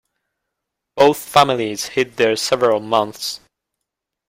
Both families hid there several months.